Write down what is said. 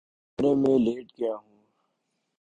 کمرے میں لیٹ گیا ہوں